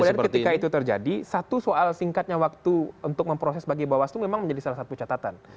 nah makanya ketika itu terjadi satu soal singkatnya waktu untuk memproses bagi kebawas itu memang menjadi salah satu catatan